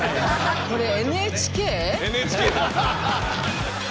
これＮＨＫ？